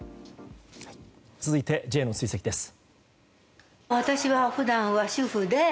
続いてＪの追跡です。